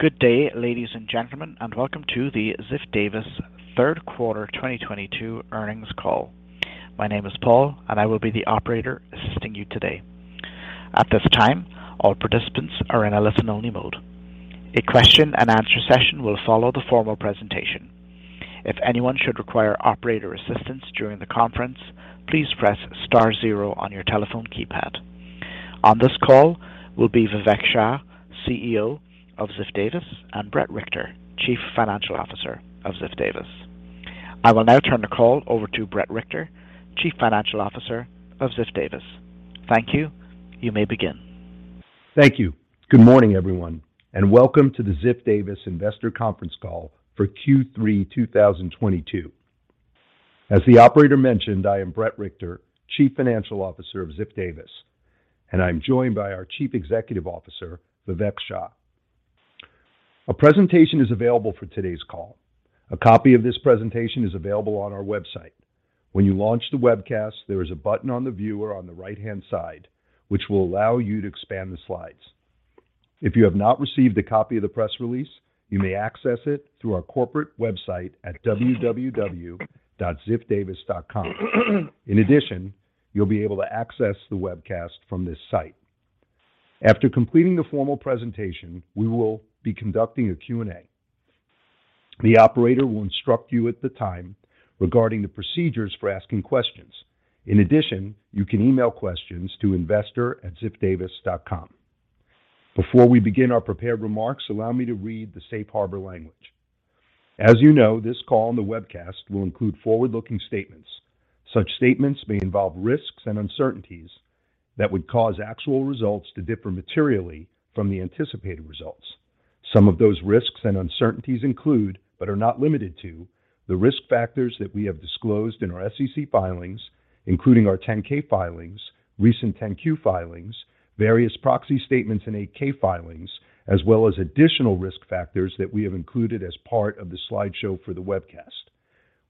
Good day, ladies and gentlemen, and welcome to the Ziff Davis third quarter 2022 earnings call. My name is Paul, and I will be the operator assisting you today. At this time, all participants are in a listen only mode. A question and answer session will follow the formal presentation. If anyone should require operator assistance during the conference, please press star zero on your telephone keypad. On this call will be Vivek Shah, CEO of Ziff Davis, and Bret Richter, Chief Financial Officer of Ziff Davis. I will now turn the call over to Bret Richter, Chief Financial Officer of Ziff Davis. Thank you. You may begin. Thank you. Good morning, everyone, and welcome to the Ziff Davis investor conference call for Q3 2022. As the operator mentioned, I am Bret Richter, Chief Financial Officer of Ziff Davis, and I'm joined by our Chief Executive Officer, Vivek Shah. A presentation is available for today's call. A copy of this presentation is available on our website. When you launch the webcast, there is a button on the viewer on the right-hand side which will allow you to expand the slides. If you have not received a copy of the press release, you may access it through our corporate website at www.ziffdavis.com. In addition, you'll be able to access the webcast from this site. After completing the formal presentation, we will be conducting a Q&A. The operator will instruct you at the time regarding the procedures for asking questions. In addition, you can email questions to investor@ziffdavis.com. Before we begin our prepared remarks, allow me to read the safe harbor language. As you know, this call and the webcast will include forward-looking statements. Such statements may involve risks and uncertainties that would cause actual results to differ materially from the anticipated results. Some of those risks and uncertainties include, but are not limited to, the risk factors that we have disclosed in our SEC filings, including our 10-K filings, recent 10-Q filings, various proxy statements, and 8-K filings, as well as additional risk factors that we have included as part of the slideshow for the webcast.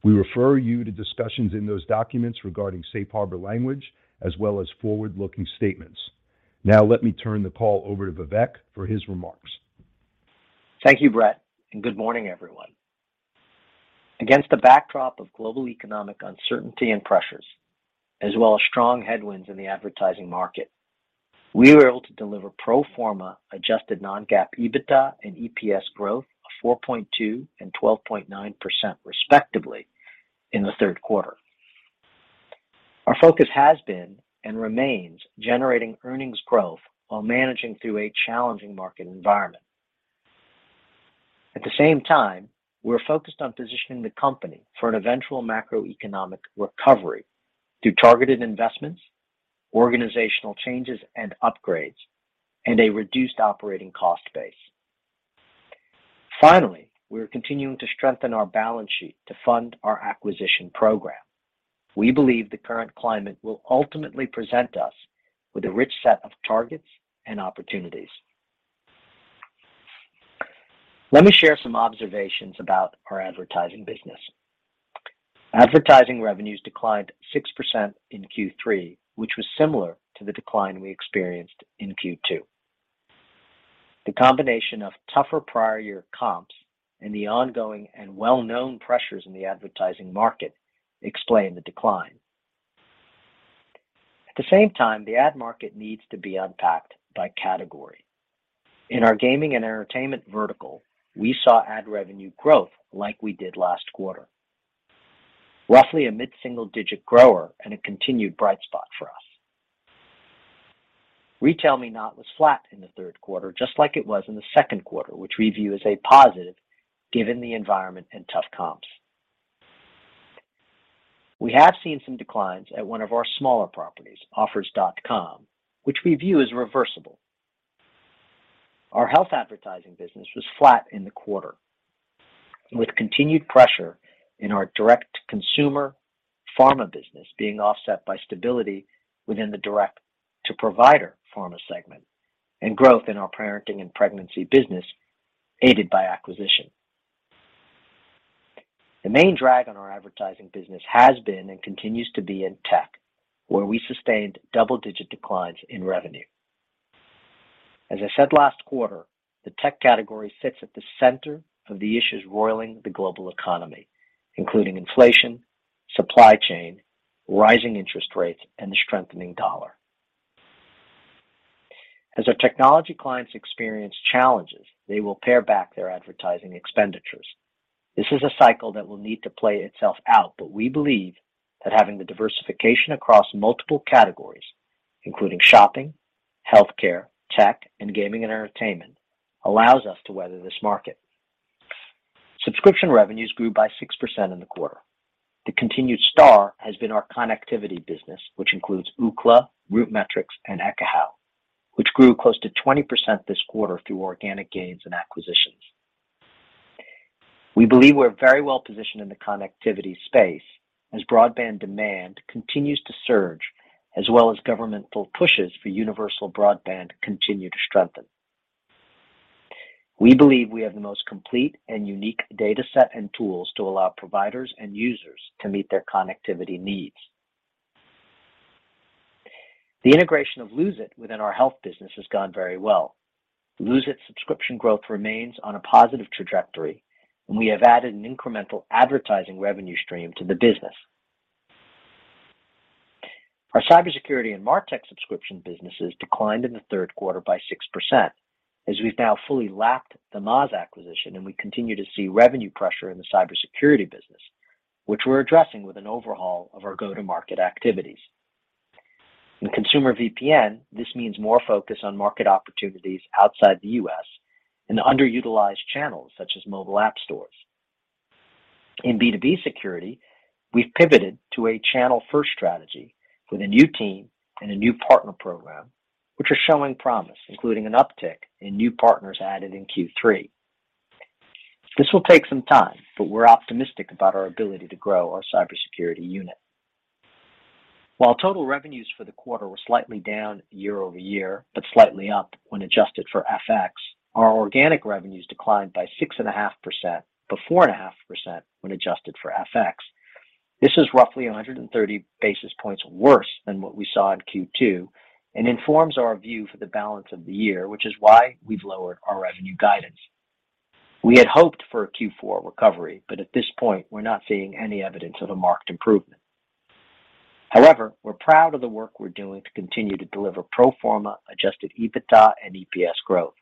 We refer you to discussions in those documents regarding safe harbor language as well as forward-looking statements. Now let me turn the call over to Vivek for his remarks. Thank you, Bret, and good morning, everyone. Against the backdrop of global economic uncertainty and pressures, as well as strong headwinds in the advertising market, we were able to deliver pro forma adjusted non-GAAP EBITDA and EPS growth of 4.2% and 12.9% respectively in the third quarter. Our focus has been and remains generating earnings growth while managing through a challenging market environment. At the same time, we're focused on positioning the company for an eventual macroeconomic recovery through targeted investments, organizational changes and upgrades, and a reduced operating cost base. Finally, we are continuing to strengthen our balance sheet to fund our acquisition program. We believe the current climate will ultimately present us with a rich set of targets and opportunities. Let me share some observations about our advertising business. Advertising revenues declined 6% in Q3, which was similar to the decline we experienced in Q2. The combination of tougher prior year comps and the ongoing and well-known pressures in the advertising market explain the decline. At the same time, the ad market needs to be unpacked by category. In our gaming and entertainment vertical, we saw ad revenue growth like we did last quarter. Roughly a mid-single digit grower and a continued bright spot for us. RetailMeNot was flat in the third quarter, just like it was in the second quarter, which we view as a positive given the environment and tough comps. We have seen some declines at one of our smaller properties, Offers.com, which we view as reversible. Our health advertising business was flat in the quarter, with continued pressure in our direct-to-consumer pharma business being offset by stability within the direct-to-provider pharma segment and growth in our parenting and pregnancy business, aided by acquisition. The main drag on our advertising business has been and continues to be in tech, where we sustained double-digit declines in revenue. As I said last quarter, the tech category sits at the center of the issues roiling the global economy, including inflation, supply chain, rising interest rates, and the strengthening dollar. As our technology clients experience challenges, they will pare back their advertising expenditures. This is a cycle that will need to play itself out, but we believe that having the diversification across multiple categories, including shopping, healthcare, tech, and gaming and entertainment, allows us to weather this market. Subscription revenues grew by 6% in the quarter. The continued star has been our connectivity business, which includes Ookla, RootMetrics, and Ekahau, which grew close to 20% this quarter through organic gains and acquisitions. We believe we're very well positioned in the connectivity space as broadband demand continues to surge, as well as governmental pushes for universal broadband continue to strengthen. We believe we have the most complete and unique data set and tools to allow providers and users to meet their connectivity needs. The integration of Lose It! within our health business has gone very well. Lose It! subscription growth remains on a positive trajectory, and we have added an incremental advertising revenue stream to the business. Our cybersecurity and MarTech subscription businesses declined in the third quarter by 6% as we've now fully lapped the Moz acquisition, and we continue to see revenue pressure in the cybersecurity business, which we're addressing with an overhaul of our go-to-market activities. In consumer VPN, this means more focus on market opportunities outside the U.S. and underutilized channels such as mobile app stores. In B2B security, we've pivoted to a channel-first strategy with a new team and a new partner program, which are showing promise, including an uptick in new partners added in Q3. This will take some time, but we're optimistic about our ability to grow our cybersecurity unit. While total revenues for the quarter were slightly down year-over-year but slightly up when adjusted for FX, our organic revenues declined by 6.5%, but 4.5% when adjusted for FX. This is roughly 130 basis points worse than what we saw in Q2 and informs our view for the balance of the year, which is why we've lowered our revenue guidance. We had hoped for a Q4 recovery, but at this point, we're not seeing any evidence of a marked improvement. However, we're proud of the work we're doing to continue to deliver pro forma adjusted EBITDA and EPS growth.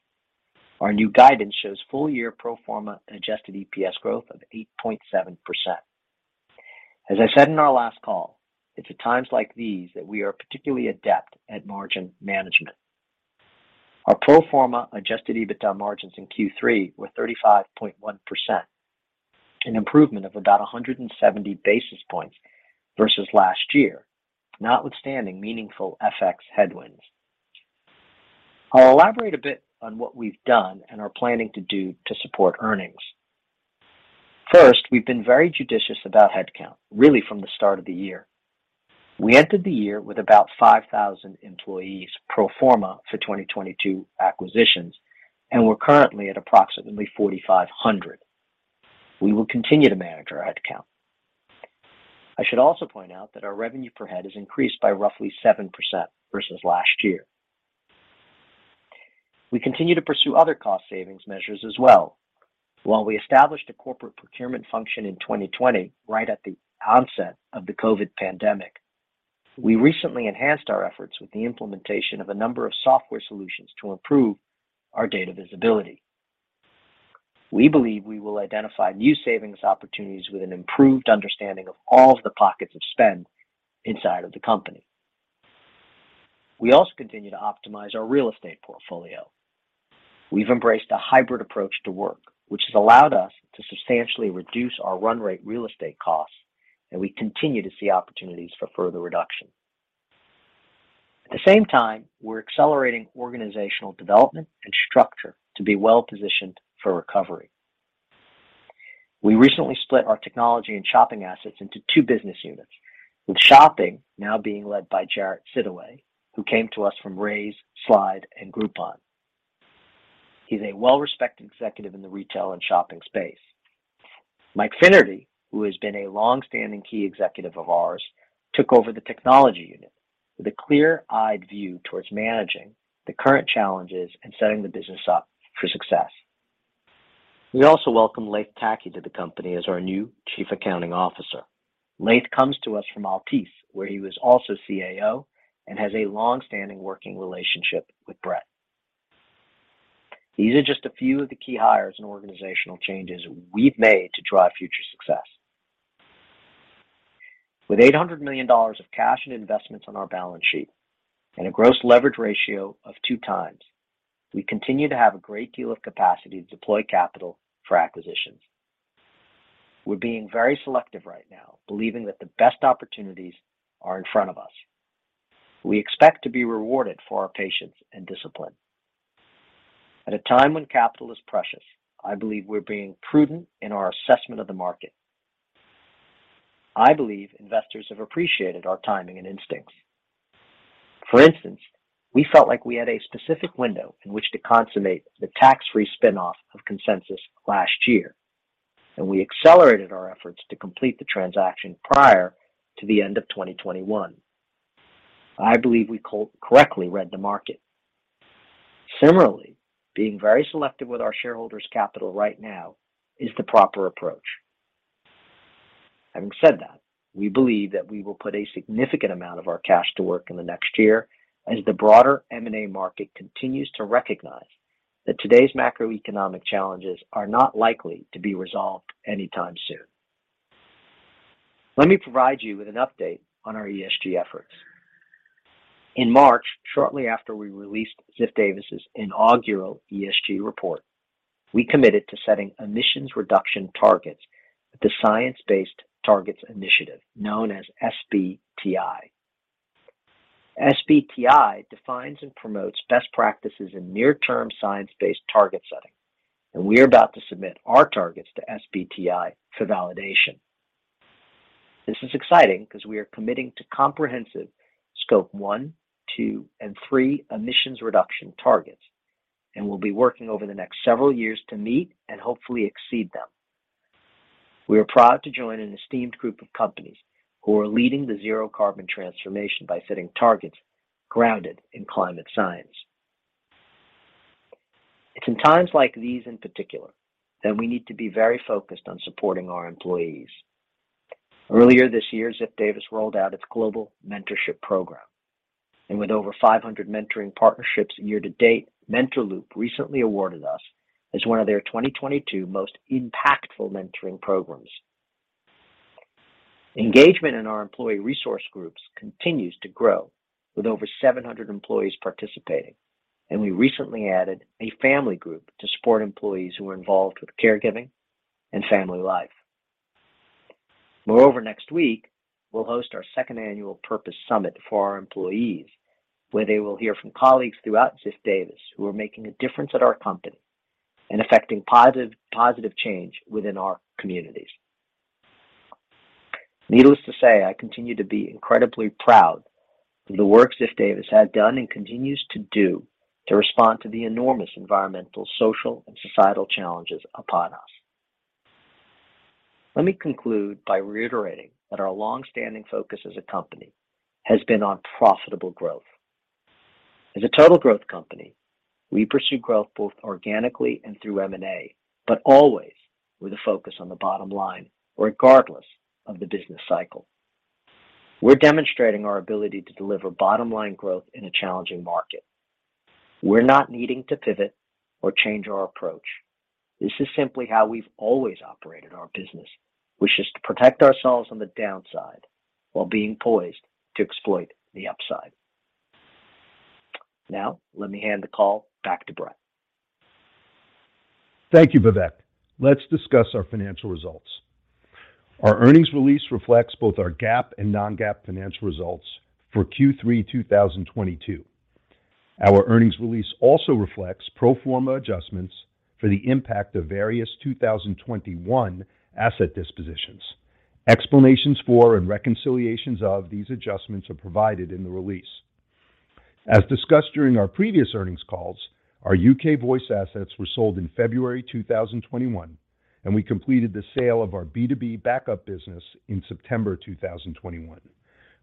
Our new guidance shows full-year pro forma adjusted EPS growth of 8.7%. As I said in our last call, it's at times like these that we are particularly adept at margin management. Our pro forma adjusted EBITDA margins in Q3 were 35.1%, an improvement of about 170 basis points versus last year, notwithstanding meaningful FX headwinds. I'll elaborate a bit on what we've done and are planning to do to support earnings. First, we've been very judicious about headcount, really from the start of the year. We entered the year with about 5,000 employees pro forma for 2022 acquisitions, and we're currently at approximately 4,500. We will continue to manage our headcount. I should also point out that our revenue per head has increased by roughly 7% versus last year. We continue to pursue other cost savings measures as well. While we established a corporate procurement function in 2020, right at the onset of the COVID pandemic, we recently enhanced our efforts with the implementation of a number of software solutions to improve our data visibility. We believe we will identify new savings opportunities with an improved understanding of all of the pockets of spend inside of the company. We also continue to optimize our real estate portfolio. We've embraced a hybrid approach to work, which has allowed us to substantially reduce our run rate real estate costs, and we continue to see opportunities for further reduction. At the same time, we're accelerating organizational development and structure to be well-positioned for recovery. We recently split our technology and shopping assets into two business units, with shopping now being led by Jarrett Sidaway, who came to us from Raise, Slide, and Groupon. He's a well-respected executive in the retail and shopping space. Mike Finnerty, who has been a long-standing key executive of ours, took over the technology unit with a clear-eyed view towards managing the current challenges and setting the business up for success. We also welcomed Layth Taki to the company as our new Chief Accounting Officer. Layth comes to us from Altice, where he was also CAO and has a long-standing working relationship with Bret. These are just a few of the key hires and organizational changes we've made to drive future success. With $800 million of cash and investments on our balance sheet and a gross leverage ratio of 2x, we continue to have a great deal of capacity to deploy capital for acquisitions. We're being very selective right now, believing that the best opportunities are in front of us. We expect to be rewarded for our patience and discipline. At a time when capital is precious, I believe we're being prudent in our assessment of the market. I believe investors have appreciated our timing and instincts. For instance, we felt like we had a specific window in which to consummate the tax-free spin-off of Consensus last year, and we accelerated our efforts to complete the transaction prior to the end of 2021. I believe we correctly read the market. Similarly, being very selective with our shareholders' capital right now is the proper approach. Having said that, we believe that we will put a significant amount of our cash to work in the next year as the broader M&A market continues to recognize that today's macroeconomic challenges are not likely to be resolved anytime soon. Let me provide you with an update on our ESG efforts. In March, shortly after we released Ziff Davis' inaugural ESG report, we committed to setting emissions reduction targets with the Science Based Targets initiative, known as SBTI. SBTI defines and promotes best practices in near-term science-based target setting, and we're about to submit our targets to SBTI for validation. This is exciting because we are committing to comprehensive scope one, two, and three emissions reduction targets, and we'll be working over the next several years to meet and hopefully exceed them. We are proud to join an esteemed group of companies who are leading the zero carbon transformation by setting targets grounded in climate science. It's in times like these in particular that we need to be very focused on supporting our employees. Earlier this year, Ziff Davis rolled out its global mentorship program, and with over 500 mentoring partnerships year-to-date, Mentorloop recently awarded us as one of their 2022 most impactful mentoring programs. Engagement in our employee resource groups continues to grow with over 700 employees participating, and we recently added a family group to support employees who are involved with caregiving and family life. Moreover, next week we'll host our second annual purpose summit for our employees, where they will hear from colleagues throughout Ziff Davis who are making a difference at our company and effecting positive change within our communities. Needless to say, I continue to be incredibly proud of the work Ziff Davis has done and continues to do to respond to the enormous environmental, social, and societal challenges upon us. Let me conclude by reiterating that our longstanding focus as a company has been on profitable growth. As a total growth company, we pursue growth both organically and through M&A, but always with a focus on the bottom line, regardless of the business cycle. We're demonstrating our ability to deliver bottom-line growth in a challenging market. We're not needing to pivot or change our approach. This is simply how we've always operated our business, which is to protect ourselves on the downside while being poised to exploit the upside. Now let me hand the call back to Bret. Thank you, Vivek. Let's discuss our financial results. Our earnings release reflects both our GAAP and non-GAAP financial results for Q3 2022. Our earnings release also reflects pro forma adjustments for the impact of various 2021 asset dispositions. Explanations for and reconciliations of these adjustments are provided in the release. As discussed during our previous earnings calls, our U.K. voice assets were sold in February 2021, and we completed the sale of our B2B backup business in September 2021.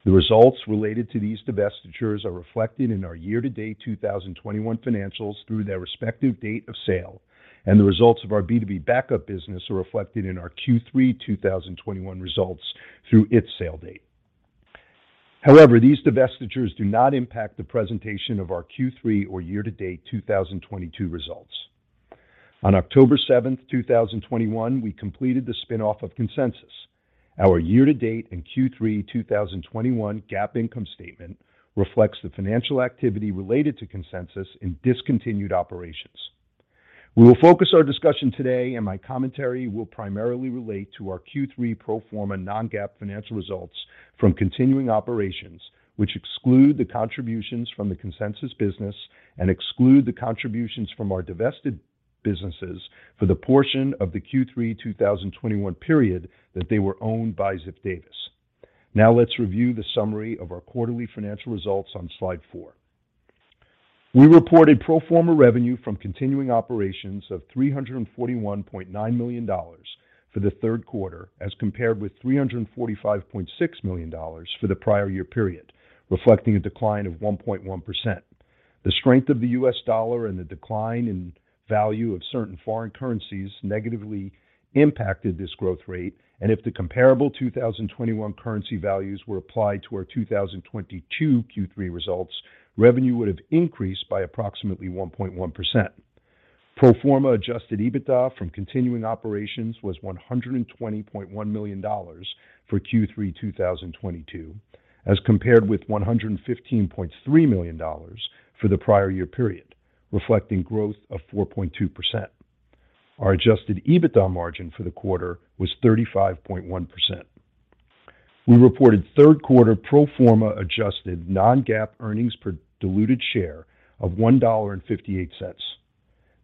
The results related to these divestitures are reflected in our year-to-date 2021 financials through their respective date of sale, and the results of our B2B backup business are reflected in our Q3 2021 results through its sale date. However, these divestitures do not impact the presentation of our Q3 or year-to-date 2022 results. On October seventh, two thousand and twenty-one, we completed the spin-off of Consensus. Our year-to-date and Q3 2021 GAAP income statement reflects the financial activity related to Consensus in discontinued operations. We will focus our discussion today, and my commentary will primarily relate to our Q3 pro forma non-GAAP financial results from continuing operations, which exclude the contributions from the Consensus business and exclude the contributions from our divested businesses for the portion of the Q3 2021 period that they were owned by Ziff Davis. Now let's review the summary of our quarterly financial results on slide four. We reported pro forma revenue from continuing operations of $341.9 million for the third quarter as compared with $345.6 million for the prior year period, reflecting a decline of 1.1%. The strength of the US dollar and the decline in value of certain foreign currencies negatively impacted this growth rate. If the comparable 2021 currency values were applied to our 2022 Q3 results, revenue would have increased by approximately 1.1%. Pro forma adjusted EBITDA from continuing operations was $120.1 million for Q3 2022, as compared with $115.3 million for the prior year period, reflecting growth of 4.2%. Our adjusted EBITDA margin for the quarter was 35.1%. We reported third quarter pro forma adjusted non-GAAP earnings per diluted share of $1.58.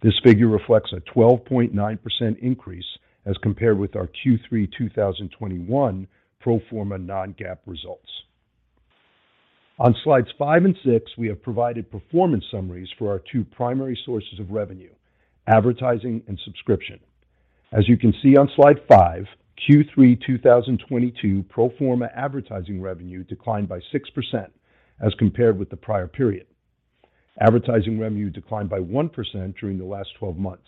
This figure reflects a 12.9% increase as compared with our Q3 2021 pro forma non-GAAP results. On slides five and six, we have provided performance summaries for our two primary sources of revenue, advertising and subscription. As you can see on slide five, Q3 2022 pro forma advertising revenue declined by 6% as compared with the prior period. Advertising revenue declined by 1% during the last 12 months.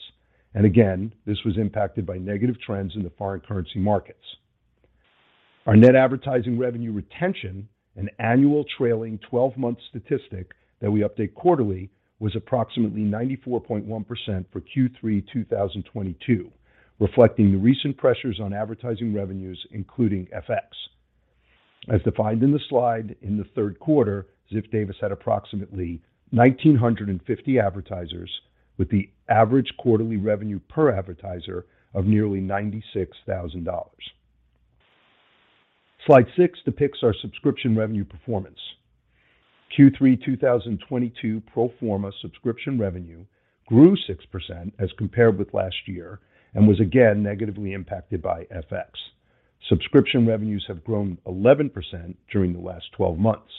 Again, this was impacted by negative trends in the foreign currency markets. Our net advertising revenue retention, an annual trailing 12-month statistic that we update quarterly, was approximately 94.1% for Q3 2022, reflecting the recent pressures on advertising revenues, including FX. As defined in the slide, in the third quarter, Ziff Davis had approximately 1,950 advertisers with the average quarterly revenue per advertiser of nearly $96,000. Slide 6 depicts our subscription revenue performance. Q3 2022 pro forma subscription revenue grew 6% as compared with last year and was again negatively impacted by FX. Subscription revenues have grown 11% during the last 12 months.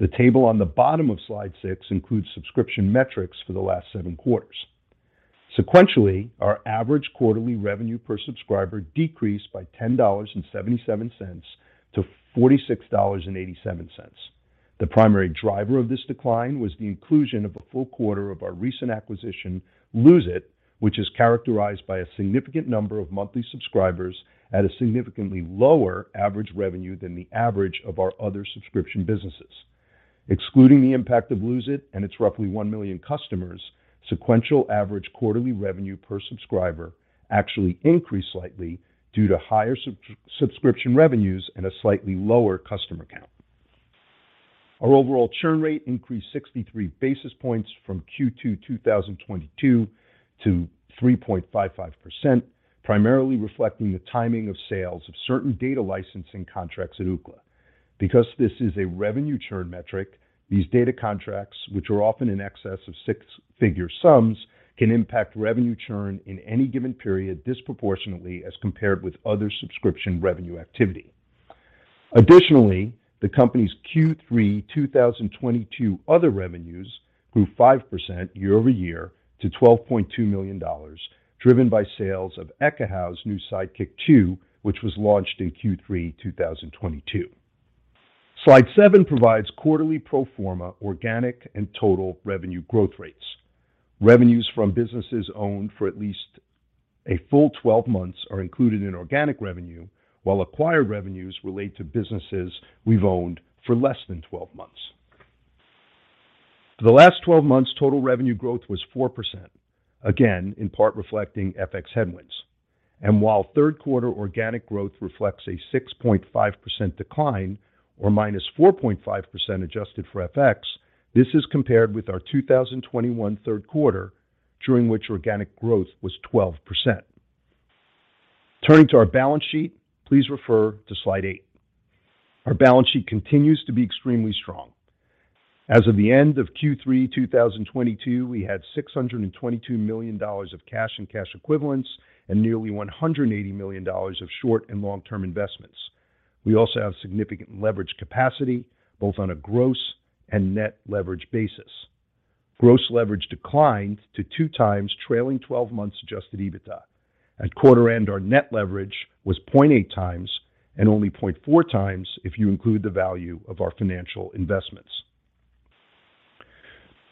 The table on the bottom of Slide 6 includes subscription metrics for the last seven quarters. Sequentially, our average quarterly revenue per subscriber decreased by $10.77 to $46.87. The primary driver of this decline was the inclusion of a full quarter of our recent acquisition, Lose It!, which is characterized by a significant number of monthly subscribers at a significantly lower average revenue than the average of our other subscription businesses. Excluding the impact of Lose It! and its roughly 1 million customers, sequential average quarterly revenue per subscriber actually increased slightly due to higher subscription revenues and a slightly lower customer count. Our overall churn rate increased 63 basis points from Q2 2022 to 3.55%, primarily reflecting the timing of sales of certain data licensing contracts at Ookla. Because this is a revenue churn metric, these data contracts, which are often in excess of six-figure sums, can impact revenue churn in any given period disproportionately as compared with other subscription revenue activity. Additionally, the company's Q3 2022 other revenues grew 5% year-over-year to $12.2 million, driven by sales of Ekahau's new Sidekick two, which was launched in Q3 2022. Slide seven provides quarterly pro forma organic and total revenue growth rates. Revenues from businesses owned for at least a full 12 months are included in organic revenue, while acquired revenues relate to businesses we've owned for less than 12 months. For the last 12 months, total revenue growth was 4%, again, in part reflecting FX headwinds. While third quarter organic growth reflects a 6.5% decline or -4.5% adjusted for FX, this is compared with our 2021 third quarter during which organic growth was 12%. Turning to our balance sheet, please refer to slide 8. Our balance sheet continues to be extremely strong. As of the end of Q3 2022, we had $622 million of cash and cash equivalents and nearly $180 million of short and long-term investments. We also have significant leverage capacity, both on a gross and net leverage basis. Gross leverage declined to 2x trailing 12 months adjusted EBITDA. At quarter end, our net leverage was 0.8x and only 0.4x if you include the value of our financial investments.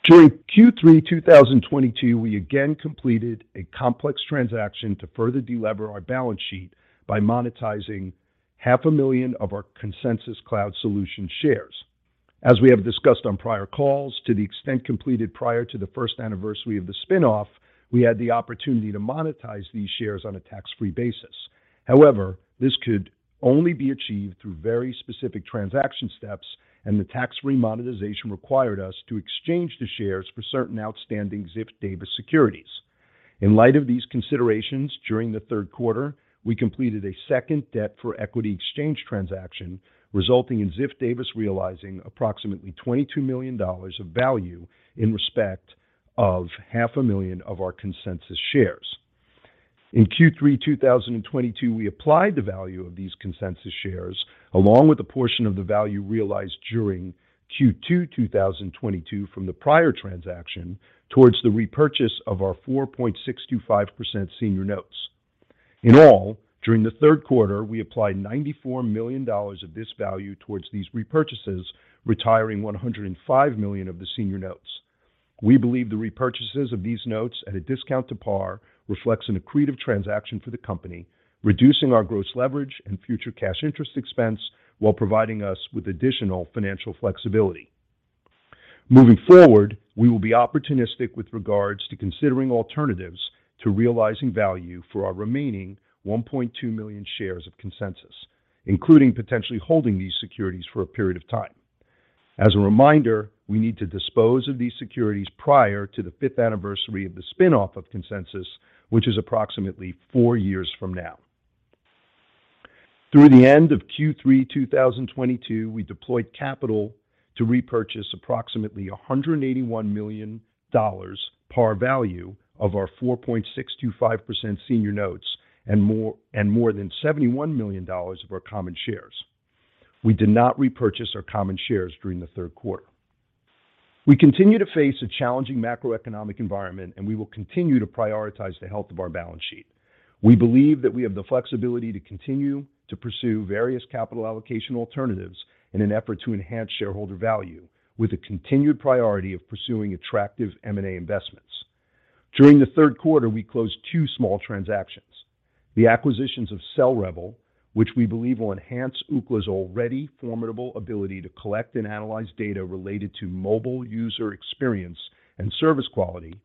During Q3 2022, we again completed a complex transaction to further deleverage our balance sheet by monetizing half a million of our Consensus Cloud Solutions shares. As we have discussed on prior calls, to the extent completed prior to the first anniversary of the spin-off, we had the opportunity to monetize these shares on a tax-free basis. However, this could only be achieved through very specific transaction steps, and the tax-free monetization required us to exchange the shares for certain outstanding Ziff Davis securities. In light of these considerations, during the third quarter, we completed a second debt for equity exchange transaction, resulting in Ziff Davis realizing approximately $22 million of value in respect of half a million of our Consensus Cloud Solutions shares. In Q3 2022, we applied the value of these Consensus shares, along with a portion of the value realized during Q2 2022 from the prior transaction, towards the repurchase of our 4.625% senior notes. In all, during the third quarter, we applied $94 million of this value towards these repurchases, retiring $105 million of the senior notes. We believe the repurchases of these notes at a discount to par reflects an accretive transaction for the company, reducing our gross leverage and future cash interest expense while providing us with additional financial flexibility. Moving forward, we will be opportunistic with regards to considering alternatives to realizing value for our remaining 1.2 million shares of Consensus, including potentially holding these securities for a period of time. As a reminder, we need to dispose of these securities prior to the fifth anniversary of the spin-off of Consensus, which is approximately four years from now. Through the end of Q3 2022, we deployed capital to repurchase approximately $181 million par value of our 4.625% senior notes and more than $71 million of our common shares. We did not repurchase our common shares during the third quarter. We continue to face a challenging macroeconomic environment, and we will continue to prioritize the health of our balance sheet. We believe that we have the flexibility to continue to pursue various capital allocation alternatives in an effort to enhance shareholder value with a continued priority of pursuing attractive M&A investments. During the third quarter, we closed two small transactions, the acquisitions of CellRebel, which we believe will enhance Ookla's already formidable ability to collect and analyze data related to mobile user experience and service quality,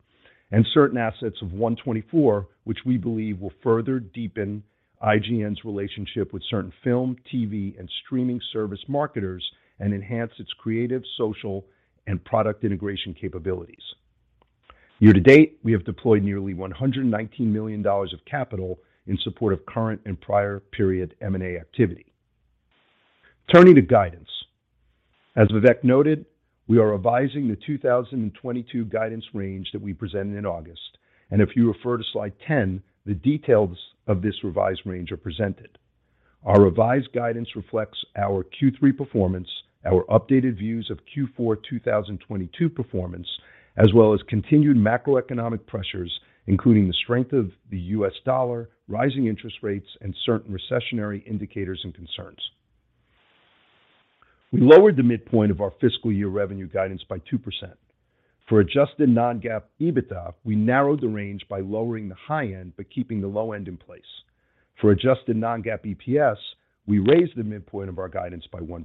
and certain assets of 1twentyfour, which we believe will further deepen IGN's relationship with certain film, TV, and streaming service marketers and enhance its creative, social, and product integration capabilities. Year-to-date, we have deployed nearly $119 million of capital in support of current and prior period M&A activity. Turning to guidance. As Vivek noted, we are revising the 2022 guidance range that we presented in August, and if you refer to slide 10, the details of this revised range are presented. Our revised guidance reflects our Q3 performance, our updated views of Q4 2022 performance, as well as continued macroeconomic pressures, including the strength of the U.S. dollar, rising interest rates, and certain recessionary indicators and concerns. We lowered the midpoint of our fiscal year revenue guidance by 2%. For adjusted non-GAAP EBITDA, we narrowed the range by lowering the high end, but keeping the low end in place. For adjusted non-GAAP EPS, we raised the midpoint of our guidance by 1%.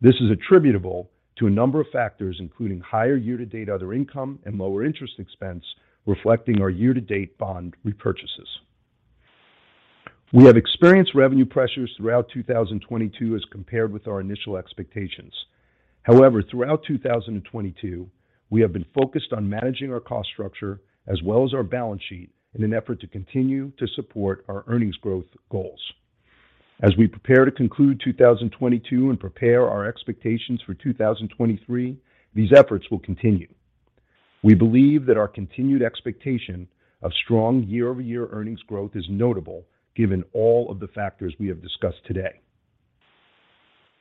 This is attributable to a number of factors, including higher year-to-date other income and lower interest expense, reflecting our year-to-date bond repurchases. We have experienced revenue pressures throughout 2022 as compared with our initial expectations. However, throughout 2022, we have been focused on managing our cost structure as well as our balance sheet in an effort to continue to support our earnings growth goals. As we prepare to conclude 2022 and prepare our expectations for 2023, these efforts will continue. We believe that our continued expectation of strong year-over-year earnings growth is notable given all of the factors we have discussed today.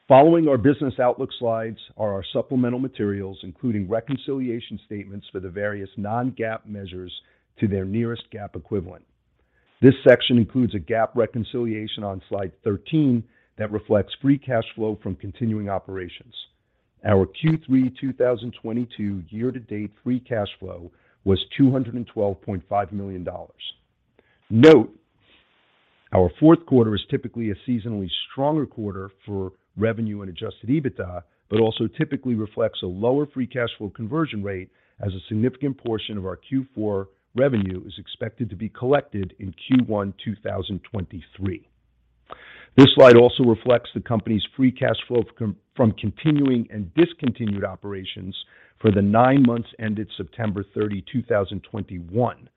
Following our business outlook slides are our supplemental materials, including reconciliation statements for the various non-GAAP measures to their nearest GAAP equivalent. This section includes a GAAP reconciliation on slide 13 that reflects free cash flow from continuing operations. Our Q3 2022 year-to-date free cash flow was $212.5 million. Note, our fourth quarter is typically a seasonally stronger quarter for revenue and adjusted EBITDA, but also typically reflects a lower free cash flow conversion rate as a significant portion of our Q4 revenue is expected to be collected in Q1 2023. This slide also reflects the company's free cash flow from continuing and discontinued operations for the nine months ended September 30, 2021.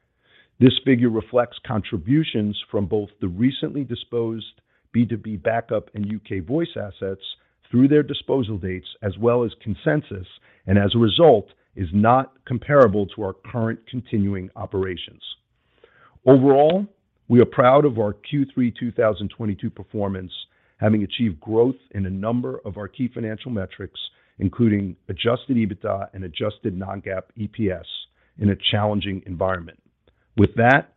This figure reflects contributions from both the recently disposed B2B backup and U.K. voice assets through their disposal dates, as well as Consensus, and as a result, is not comparable to our current continuing operations. Overall, we are proud of our Q3 2022 performance, having achieved growth in a number of our key financial metrics, including adjusted EBITDA and adjusted non-GAAP EPS in a challenging environment. With that,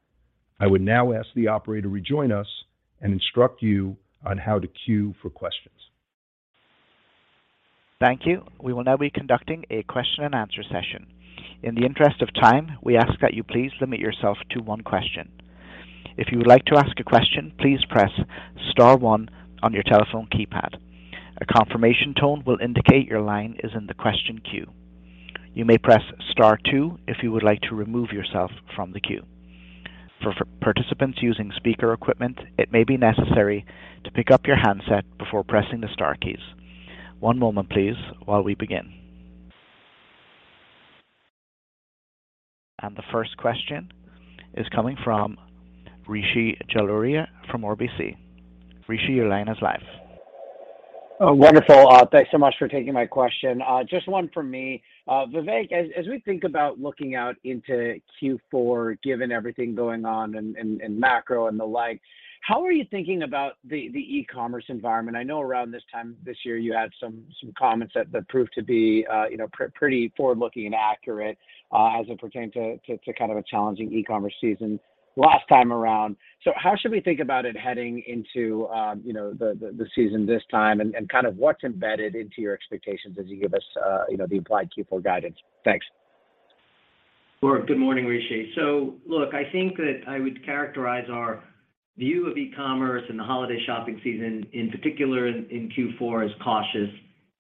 I would now ask the operator to rejoin us and instruct you on how to queue for questions. Thank you. We will now be conducting a question and answer session. In the interest of time, we ask that you please limit yourself to one question. If you would like to ask a question, please press star one on your telephone keypad. A confirmation tone will indicate your line is in the question queue. You may press star two if you would like to remove yourself from the queue. For participants using speaker equipment, it may be necessary to pick up your handset before pressing the star keys. One moment please while we begin. The first question is coming from Rishi Jaluria from RBC Capital Markets. Rishi, your line is live. Oh, wonderful. Thanks so much for taking my question. Just one for me. Vivek, as we think about looking out into Q4, given everything going on in macro and the like, how are you thinking about the e-commerce environment? I know around this time this year you had some comments that proved to be, you know, pretty forward-looking and accurate, as it pertained to kind of a challenging e-commerce season last time around. How should we think about it heading into, you know, the season this time? Kind of what's embedded into your expectations as you give us, you know, the implied Q4 guidance? Thanks. Good morning, Rishi. Look, I think that I would characterize our view of e-commerce and the holiday shopping season in particular in Q4 as cautious.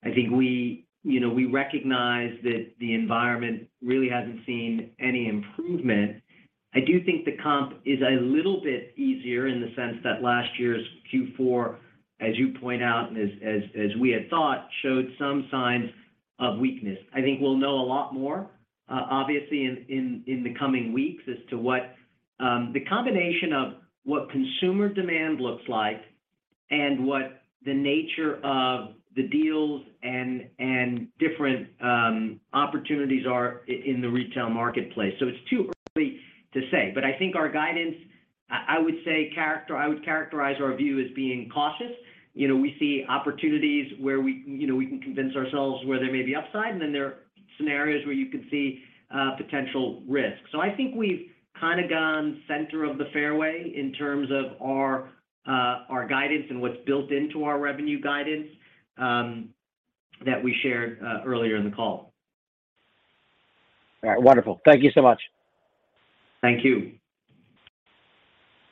I think we, you know, we recognize that the environment really hasn't seen any improvement. I do think the comp is a little bit easier in the sense that last year's Q4, as you point out and as we had thought, showed some signs of weakness. I think we'll know a lot more, obviously in the coming weeks as to what the combination of what consumer demand looks like and what the nature of the deals and different opportunities are in the retail marketplace. It's too early to say. I think our guidance, I would say I would characterize our view as being cautious. You know, we see opportunities where we, you know, we can convince ourselves where there may be upside, and then there are scenarios where you could see potential risks. I think we've kind of gone center of the fairway in terms of our guidance and what's built into our revenue guidance that we shared earlier in the call. All right. Wonderful. Thank you so much. Thank you.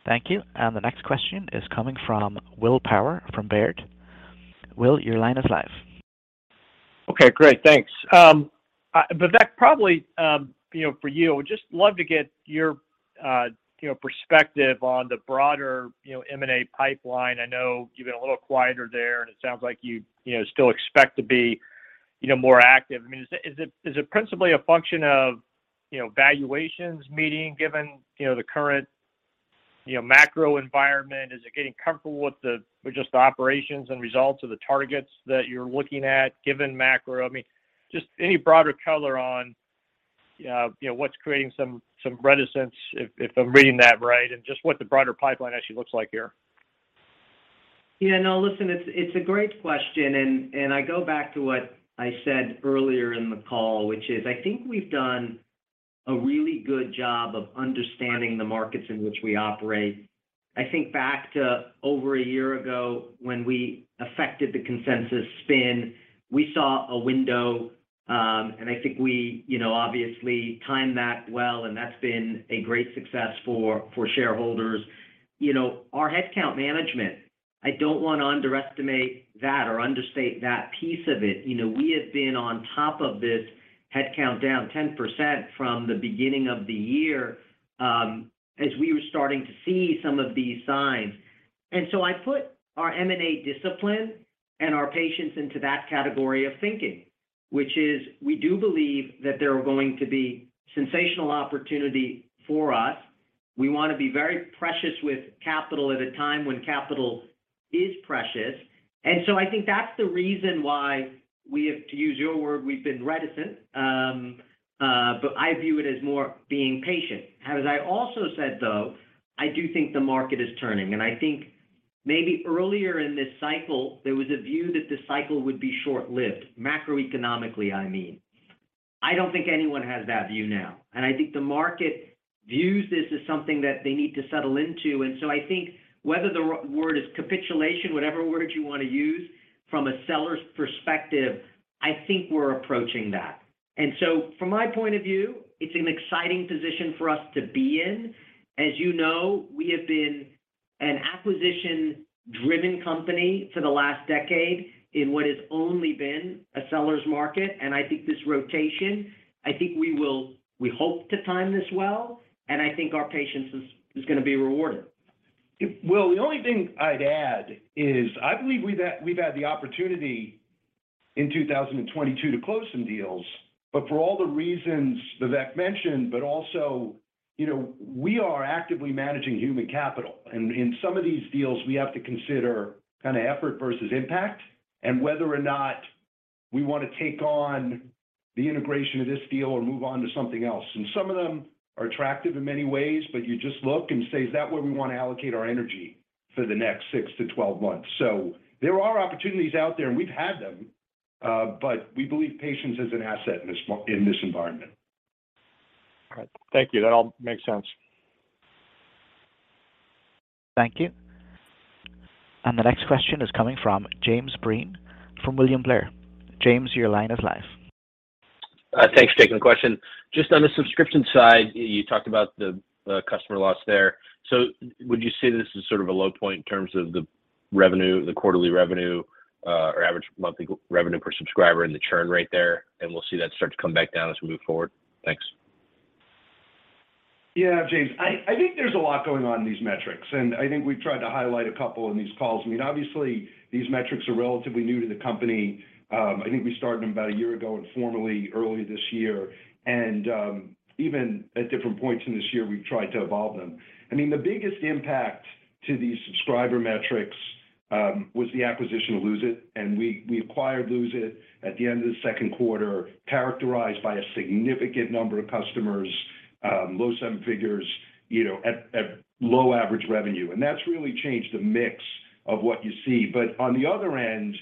Thank you. The next question is coming from Will Power from Baird. Will, your line is live. Okay, great. Thanks. Vivek, probably, you know, for you, I would just love to get your, you know, perspective on the broader, you know, M&A pipeline. I know you've been a little quieter there, and it sounds like you know, still expect to be, you know, more active. I mean, is it principally a function of, you know, valuations remaining given, you know, the current, you know, macro environment? Is it getting comfortable with just the operations and results of the targets that you're looking at given macro? I mean, just any broader color on, you know, what's creating some reticence if I'm reading that right, and just what the broader pipeline actually looks like here. Yeah, no, listen, it's a great question, and I go back to what I said earlier in the call, which is I think we've done a really good job of understanding the markets in which we operate. I think back to over a year ago when we effected the Consensus spin, we saw a window, and I think we, you know, obviously timed that well, and that's been a great success for shareholders. You know, our headcount management, I don't want to underestimate that or understate that piece of it. You know, we have been on top of this headcount down 10% from the beginning of the year, as we were starting to see some of these signs. I put our M&A discipline and our patience into that category of thinking, which is we do believe that there are going to be substantial opportunities for us. We wanna be very precious with capital at a time when capital is precious. I think that's the reason why we have, to use your word, we've been reticent. I view it as more being patient. As I also said, though, I do think the market is turning, and I think maybe earlier in this cycle, there was a view that this cycle would be short-lived, macroeconomically, I mean. I don't think anyone has that view now, and I think the market views this as something that they need to settle into. I think whether the word is capitulation, whatever word you wanna use from a seller's perspective, I think we're approaching that. From my point of view, it's an exciting position for us to be in. As you know, we have been an acquisition-driven company for the last decade in what has only been a seller's market, and I think this rotation, we hope to time this well, and I think our patience is gonna be rewarded. Well, the only thing I'd add is I believe we've had the opportunity in 2022 to close some deals, but for all the reasons Vivek mentioned, but also, you know, we are actively managing human capital. In some of these deals we have to consider kind of effort versus impact and whether or not we wanna take on the integration of this deal or move on to something else. Some of them are attractive in many ways, but you just look and say, "Is that where we wanna allocate our energy for the next six to 12 months?" There are opportunities out there, and we've had them, but we believe patience is an asset in this environment. All right. Thank you. That all makes sense. Thank you. The next question is coming from Jim Breen from William Blair. Jim, your line is live. Thanks. Taking the question. Just on the subscription side, you talked about the customer loss there. Would you say this is sort of a low point in terms of the revenue, the quarterly revenue, or average monthly revenue per subscriber and the churn rate there, and we'll see that start to come back down as we move forward? Thanks. Yeah, Jim. I think there's a lot going on in these metrics, and I think we've tried to highlight a couple in these calls. I mean, obviously these metrics are relatively new to the company. I think we started them about a year ago and formally early this year. Even at different points in this year, we've tried to evolve them. I mean, the biggest impact to these subscriber metrics was the acquisition of Lose It!, and we acquired Lose It! at the end of the second quarter, characterized by a significant number of customers, low seven figures, you know, at low average revenue. That's really changed the mix of what you see. On the other end,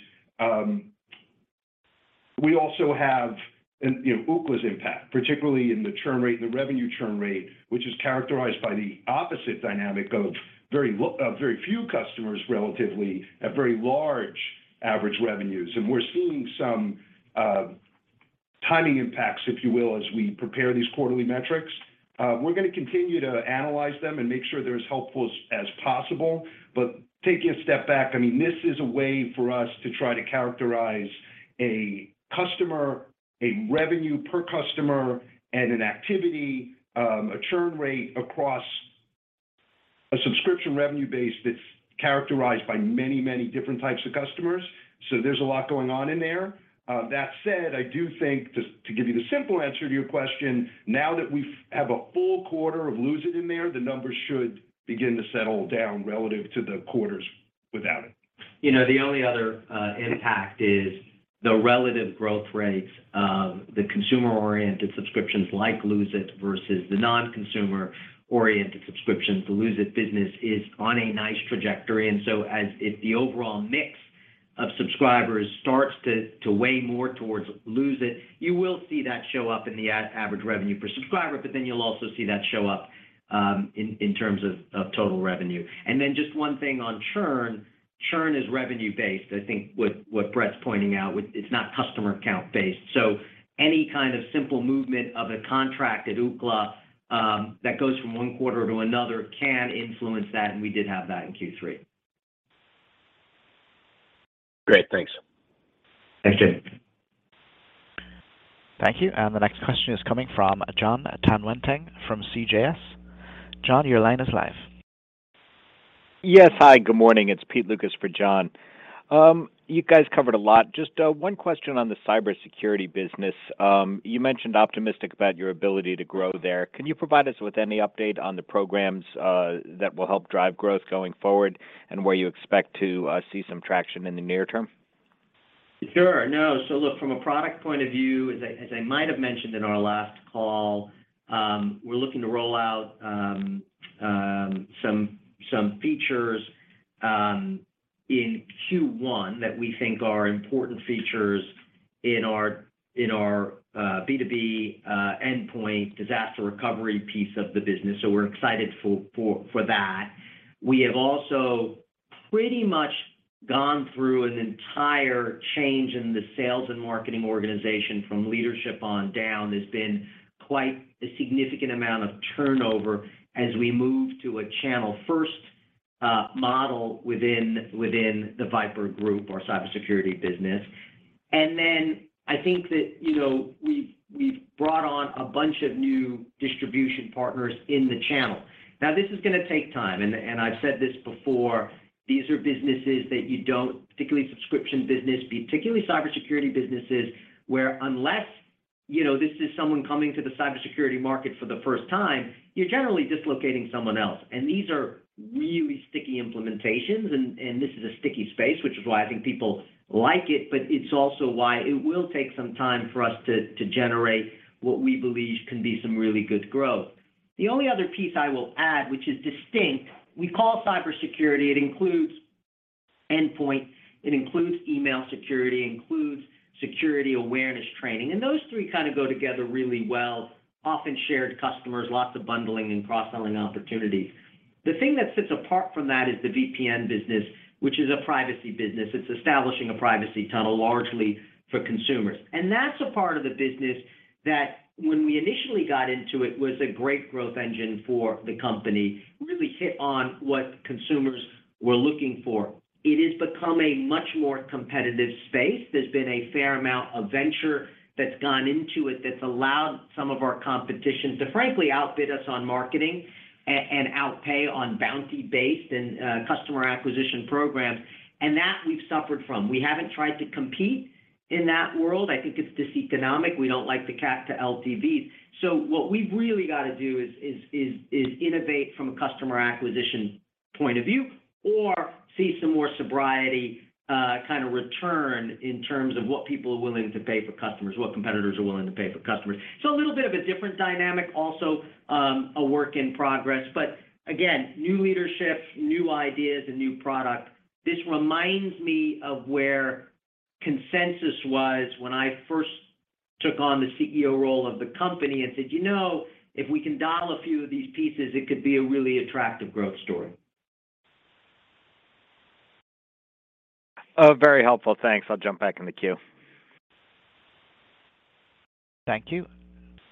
we also have, you know, Ookla's impact, particularly in the churn rate, the revenue churn rate, which is characterized by the opposite dynamic of very few customers relatively at very large average revenues. We're seeing some timing impacts, if you will, as we prepare these quarterly metrics. We're gonna continue to analyze them and make sure they're as helpful as possible. Taking a step back, I mean, this is a way for us to try to characterize a customer, a revenue per customer and an activity, a churn rate across a subscription revenue base that's characterized by many, many different types of customers, so there's a lot going on in there. That said, I do think just to give you the simple answer to your question, now that we have a full quarter of Lose It! in there, the numbers should begin to settle down relative to the quarters without it. You know, the only other impact is the relative growth rates of the consumer-oriented subscriptions like Lose It! versus the non-consumer-oriented subscriptions. The Lose It! business is on a nice trajectory, and so as if the overall mix of subscribers starts to weigh more towards Lose It!, you will see that show up in the average revenue per subscriber, but then you'll also see that show up in terms of total revenue. Then just one thing on churn. Churn is revenue-based. I think what Bret's pointing out with it's not customer count-based. So any kind of simple movement of a contract at Ookla that goes from one quarter to another can influence that, and we did have that in Q3. Great. Thanks. Thanks, Jim. Thank you. The next question is coming from Jon Tanwanteng from CJS Securities. Jon, your line is live. Yes. Hi, good morning. It's Peter Lucas for Jon Tanwanteng. You guys covered a lot. Just one question on the cybersecurity business. You mentioned optimistic about your ability to grow there. Can you provide us with any update on the programs that will help drive growth going forward and where you expect to see some traction in the near term? Sure. No. Look, from a product point of view, as I might have mentioned in our last call, we're looking to roll out some features in Q1 that we think are important features in our B2B endpoint disaster recovery piece of the business. We're excited for that. We have also pretty much gone through an entire change in the sales and marketing organization from leadership on down. There's been quite a significant amount of turnover as we move to a channel-first model within the VIPRE group, our cybersecurity business. I think that, you know, we've brought on a bunch of new distribution partners in the channel. Now, this is gonna take time, and I've said this before, these are businesses that you don't, particularly subscription business, particularly cybersecurity businesses, where unless, you know, this is someone coming to the cybersecurity market for the first time, you're generally dislocating someone else. These are really sticky implementations and this is a sticky space, which is why I think people like it, but it's also why it will take some time for us to generate what we believe can be some really good growth. The only other piece I will add, which is distinct, we call cybersecurity. It includes endpoint, it includes email security, includes security awareness training, and those three kind of go together really well. Often shared customers, lots of bundling and cross-selling opportunities. The thing that sits apart from that is the VPN business, which is a privacy business. It's establishing a privacy tunnel largely for consumers. That's a part of the business that when we initially got into it, was a great growth engine for the company, really hit on what consumers were looking for. It has become a much more competitive space. There's been a fair amount of venture that's gone into it that's allowed some of our competition to frankly outbid us on marketing and outpay on bounty-based and customer acquisition programs. That we've suffered from. We haven't tried to compete in that world. I think it's diseconomic. We don't like the CAC to LTVs. What we've really got to do is innovate from a customer acquisition point of view or see some more sobriety kind of return in terms of what people are willing to pay for customers, what competitors are willing to pay for customers. A little bit of a different dynamic also, a work in progress, but again, new leadership, new ideas and new product. This reminds me of where Consensus was when I first took on the CEO role of the company and said, "You know, if we can dial a few of these pieces, it could be a really attractive growth story. Very helpful. Thanks. I'll jump back in the queue. Thank you.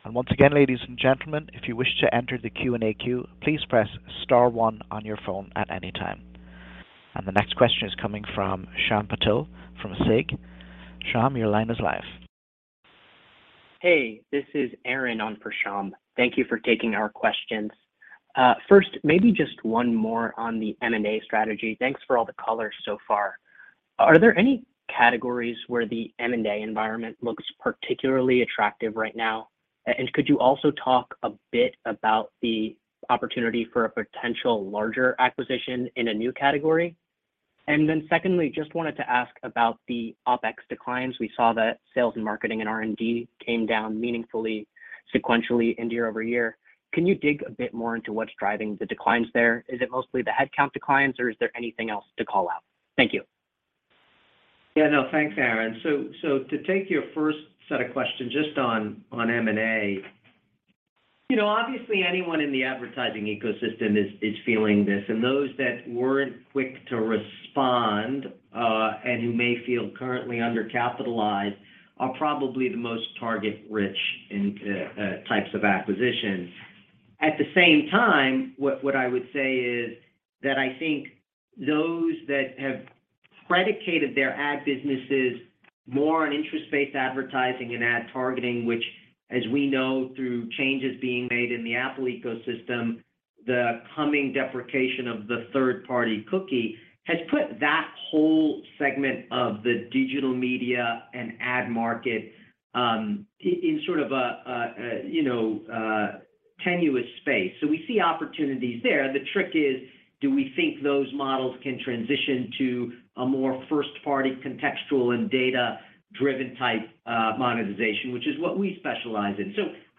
Once again, ladies and gentlemen, if you wish to enter the Q&A queue, please press star one on your phone at any time. The next question is coming from Shyam Patil from SIG. Shyam, your line is live. Hey, this is Aaron on for Shyam. Thank you for taking our questions. First, maybe just one more on the M&A strategy. Thanks for all the color so far. Are there any categories where the M&A environment looks particularly attractive right now? And could you also talk a bit about the opportunity for a potential larger acquisition in a new category? And then secondly, just wanted to ask about the OpEx declines. We saw that sales and marketing and R&D came down meaningfully sequentially and year over year. Can you dig a bit more into what's driving the declines there? Is it mostly the headcount declines, or is there anything else to call out? Thank you. Yeah, no, thanks, Aaron. So to take your first set of questions just on M&A. You know, obviously, anyone in the advertising ecosystem is feeling this, and those that weren't quick to respond, and who may feel currently undercapitalized are probably the most target-rich in types of acquisitions. At the same time, what I would say is that I think those that have predicated their ad businesses more on interest-based advertising and ad targeting, which as we know through changes being made in the Apple ecosystem, the coming deprecation of the third-party cookie has put that whole segment of the digital media and ad market in sort of a, you know, a tenuous space. We see opportunities there. The trick is, do we think those models can transition to a more first-party contextual and data-driven type, monetization, which is what we specialize in.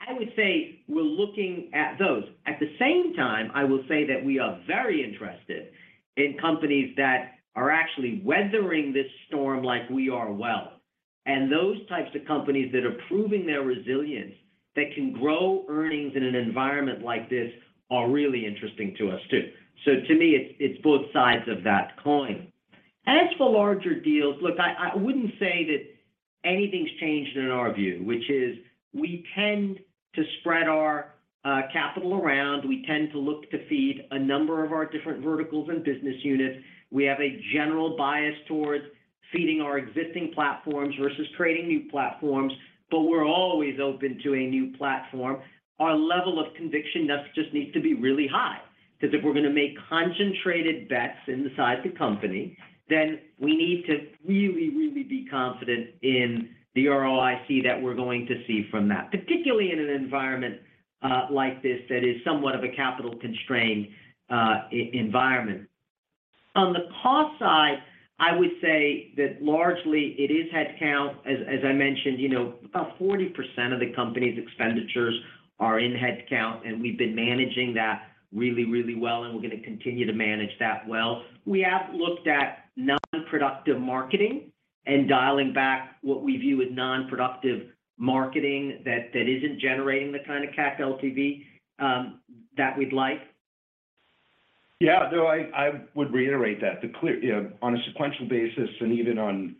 I would say we're looking at those. At the same time, I will say that we are very interested in companies that are actually weathering this storm like we are well, and those types of companies that are proving their resilience, that can grow earnings in an environment like this are really interesting to us too. To me, it's both sides of that coin. As for larger deals, look, I wouldn't say that anything's changed in our view, which is we tend to spread our capital around. We tend to look to feed a number of our different verticals and business units. We have a general bias towards feeding our existing platforms versus creating new platforms, but we're always open to a new platform. Our level of conviction thus just needs to be really high. 'Cause if we're gonna make concentrated bets inside the company, then we need to really, really be confident in the ROIC that we're going to see from that, particularly in an environment like this that is somewhat of a capital-constrained environment. On the cost side, I would say that largely it is head count. As I mentioned, you know, about 40% of the company's expenditures are in head count, and we've been managing that really, really well, and we're gonna continue to manage that well. We have looked at non-productive marketing and dialing back what we view as non-productive marketing that isn't generating the kind of cash LTV that we'd like. Yeah. No, I would reiterate that. You know, on a sequential basis and even on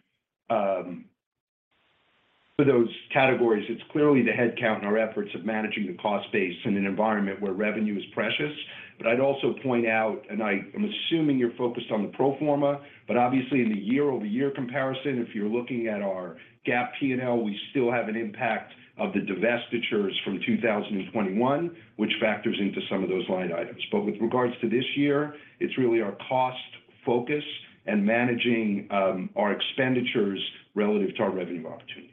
for those categories, it's clearly the head count in our efforts of managing the cost base in an environment where revenue is precious. But I'd also point out, and I'm assuming you're focused on the pro forma, but obviously in the year-over-year comparison, if you're looking at our GAAP P&L, we still have an impact of the divestitures from 2021, which factors into some of those line items. With regards to this year, it's really our cost focus and managing our expenditures relative to our revenue opportunities.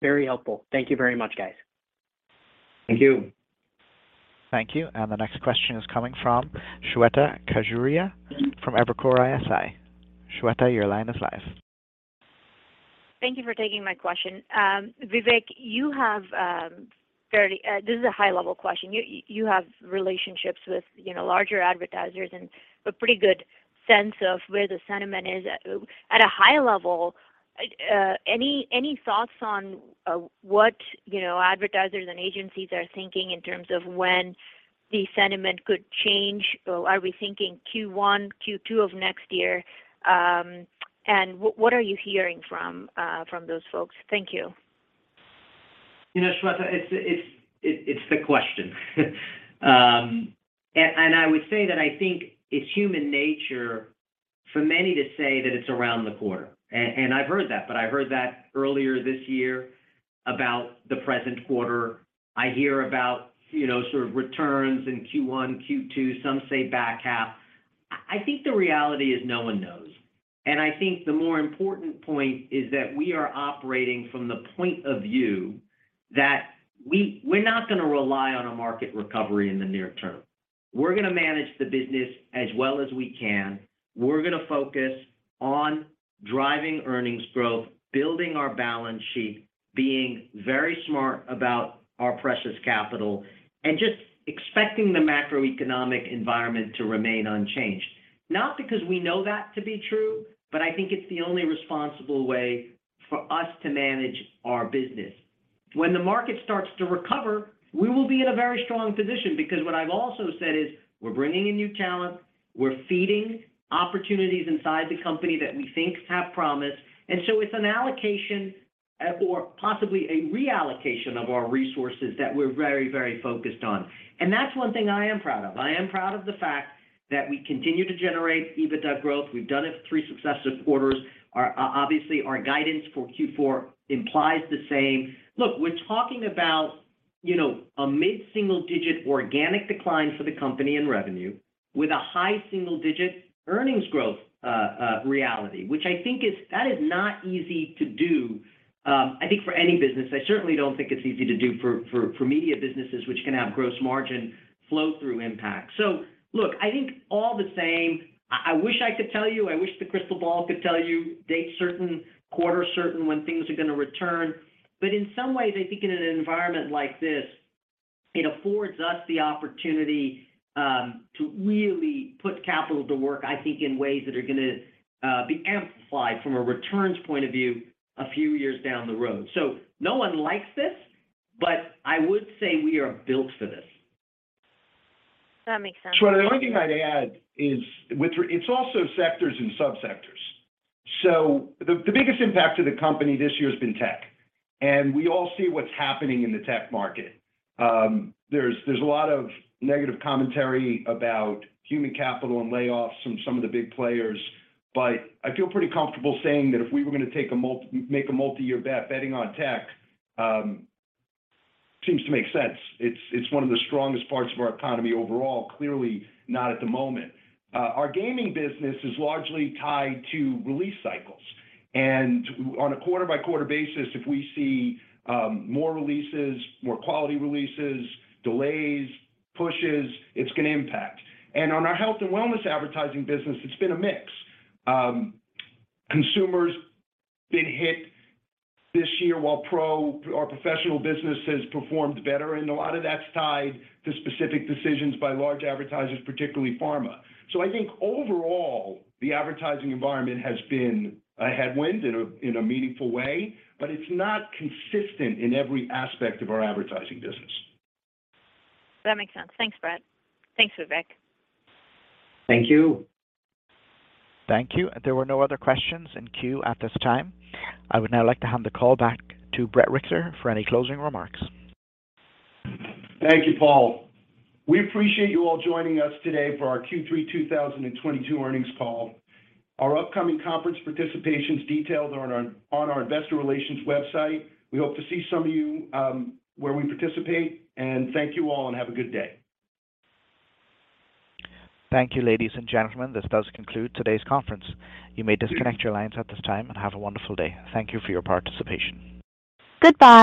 Very helpful. Thank you very much, guys. Thank you. Thank you. The next question is coming from Shweta Khajuria from Evercore ISI. Shweta, your line is live. Thank you for taking my question. Vivek, this is a high-level question. You have relationships with, you know, larger advertisers and a pretty good sense of where the sentiment is. At a high level, any thoughts on what, you know, advertisers and agencies are thinking in terms of when the sentiment could change? Or are we thinking Q1, Q2 of next year? What are you hearing from those folks? Thank you. You know, Shweta, it's the question. I would say that I think it's human nature for many to say that it's around the corner. I've heard that, but I heard that earlier this year about the present quarter. I hear about, you know, sort of returns in Q1, Q2, some say back half. I think the reality is no one knows. I think the more important point is that we are operating from the point of view that we're not gonna rely on a market recovery in the near term. We're gonna manage the business as well as we can. We're gonna focus on driving earnings growth, building our balance sheet, being very smart about our precious capital, and just expecting the macroeconomic environment to remain unchanged. Not because we know that to be true, but I think it's the only responsible way for us to manage our business. When the market starts to recover, we will be in a very strong position because what I've also said is we're bringing in new talent, we're feeding opportunities inside the company that we think have promise. It's an allocation, or possibly a reallocation of our resources that we're very, very focused on. That's one thing I am proud of. I am proud of the fact that we continue to generate EBITDA growth. We've done it three successive quarters. Obviously, our guidance for Q4 implies the same. Look, we're talking about, you know, a mid-single-digit organic decline for the company in revenue with a high single-digit earnings growth in reality, which I think is. That is not easy to do, I think for any business. I certainly don't think it's easy to do for media businesses, which can have gross margin flow-through impact. Look, I think all the same, I wish I could tell you, I wish the crystal ball could tell you date certain, quarter certain when things are gonna return. In some ways, I think in an environment like this, it affords us the opportunity to really put capital to work, I think, in ways that are gonna be amplified from a returns point of view a few years down the road. No one likes this, but I would say we are built for this. That makes sense. Shweta, the only thing I'd add is It's also sectors and subsectors. So the biggest impact to the company this year has been tech, and we all see what's happening in the tech market. There's a lot of negative commentary about human capital and layoffs from some of the big players. I feel pretty comfortable saying that if we were gonna make a multi-year bet on tech, seems to make sense. It's one of the strongest parts of our economy overall. Clearly, not at the moment. Our gaming business is largely tied to release cycles. On a quarter-by-quarter basis, if we see more releases, more quality releases, delays, pushes, it's gonna impact. On our health and wellness advertising business, it's been a mix. Consumers been hit this year while pro or professional business has performed better, and a lot of that's tied to specific decisions by large advertisers, particularly pharma. I think overall, the advertising environment has been a headwind in a meaningful way, but it's not consistent in every aspect of our advertising business. That makes sense. Thanks, Brett. Thanks, Vivek. Thank you. Thank you. There were no other questions in queue at this time. I would now like to hand the call back to Bret Richter for any closing remarks. Thank you, Paul. We appreciate you all joining us today for our Q3 2022 earnings call. Our upcoming conference participation's detailed on our investor relations website. We hope to see some of you where we participate, and thank you all, and have a good day. Thank you, ladies and gentlemen. This does conclude today's conference. You may disconnect your lines at this time, and have a wonderful day. Thank you for your participation. Goodbye.